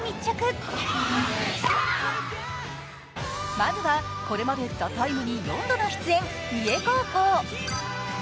まずはこれまで「ＴＨＥＴＩＭＥ，」に４度出演、三重高校。